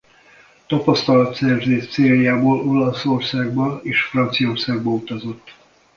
Tapasztalatszerzés céljából Olaszországba és Franciaországba utazott.